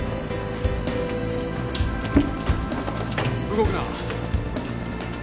動くな。